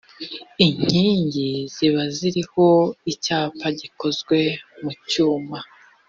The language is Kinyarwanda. inkingi ziba ziriho icyapa gikozwe mu cyuma